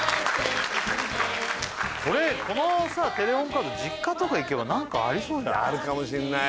これこのさテレホンカード実家とか行けば何かありそうじゃない？